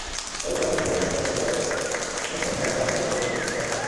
পরবর্তী ব্যাটসম্যান হিসেবে নামতে হতে পারে জন্য প্যাড-গ্লাভস-হেলমেট পরে বসেছিলেন সাইড লাইনে।